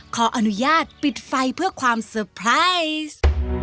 ขออนุญาตปิดไฟเพื่อความเซอร์ไพรส์